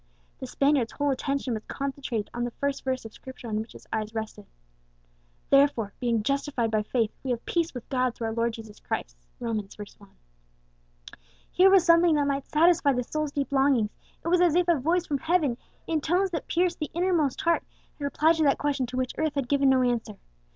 The Spaniard's whole attention was concentrated on the first verse of Scripture on which his eyes rested "Therefore, being justified by faith, we have peace with God through our Lord Jesus Christ" (Rom. v. 1). Here was something that might satisfy the soul's deep longings; it was as if a voice from heaven, in tones that pierced the inmost heart, had replied to that question to which earth had given no answer.